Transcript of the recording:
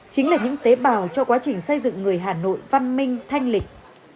chính là những tế bào cho quá trình xây dựng người hà nội văn minh thanh lịch